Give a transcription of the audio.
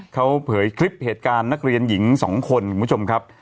เขาเผยคลิปเหตุการณ์นักเรียนหญิง๒คนคุณผู้ชมครับ